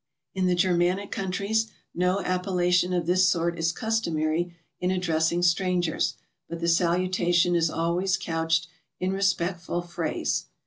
In the Germanic countries no appella tion of this sort is customary in addressing strangers, but the salutation is always couched in respectful phrase.